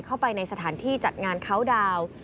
เข้าไปในสถานที่จัดงานเขาดาวน์